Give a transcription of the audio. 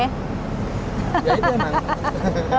ya itu yang mana